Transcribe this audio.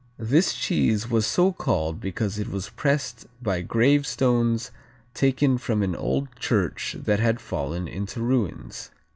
This cheese was so called because it was pressed by gravestones taken from an old church that had fallen into ruins.